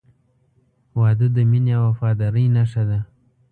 • واده د مینې او وفادارۍ نښه ده.